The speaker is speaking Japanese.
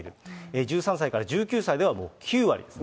１３歳から１９歳ではもう９割ですね。